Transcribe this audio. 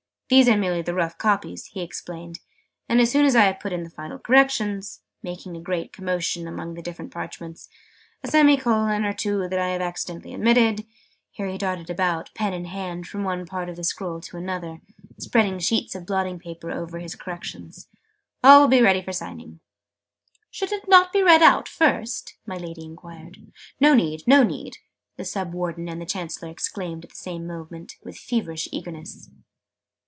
"These are merely the rough copies," he explained: "and, as soon as I have put in the final corrections " making a great commotion among the different parchments, " a semi colon or two that I have accidentally omitted " here he darted about, pen in hand, from one part of the scroll to another, spreading sheets of blotting paper over his corrections, "all will be ready for signing." "Should it not be read out, first?" my Lady enquired. "No need, no need!" the Sub Warden and the Chancellor exclaimed at the same moment, with feverish eagerness.